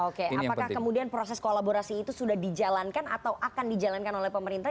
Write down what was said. oke apakah kemudian proses kolaborasi itu sudah dijalankan atau akan dijalankan oleh pemerintah